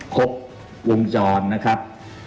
ครบวงจรนะครับ